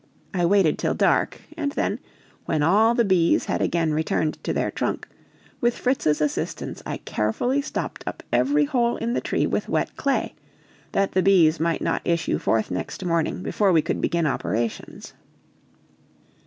I waited till dark, and then, when all the bees had again returned to their trunk, with Fritz's assistance I carefully stopped up every hole in the tree with wet clay, that the bees might not issue forth next morning before we could begin operations.